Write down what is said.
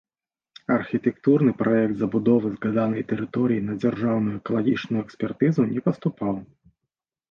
Архітэктурны праект забудовы згаданай тэрыторыі на дзяржаўную экалагічную экспертызу не паступаў.